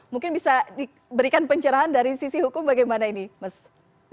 mungkin bisa diberikan pencerahan dari sisi hukum bagaimana ini mas